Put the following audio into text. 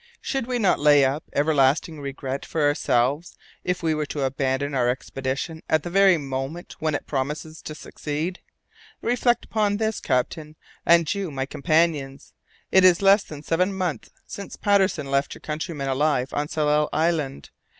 Should we not lay up everlasting regret for ourselves if we were to abandon our expedition at the very moment when it promises to succeed? Reflect upon this, captain, and you, my companions. It is less than seven months since Patterson left your countrymen alive on Tsalal Island.